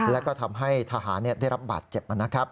แล้วก็ทำให้ทหารได้รับบาดเจ็บนะครับ